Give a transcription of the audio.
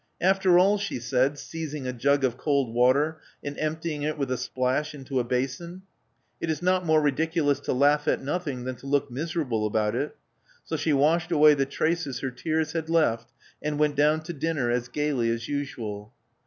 *' After all," she said, seizing a jug of cold water and emptying it with a splash into a basin, it is not more ridiculous to laugh at nothing than to look miserable about it." So she washed away the traces her tears had left, and went down to dinner as gaily as usual.